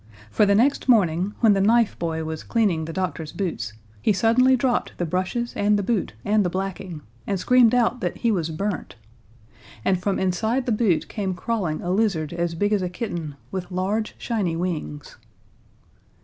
For the next morning, when the knife boy was cleaning the doctor's boots, he suddenly dropped the brushes and the boot and the blacking, and screamed out that he was burnt. And from inside the boot came crawling a lizard as big as a kitten, with large, shiny wings.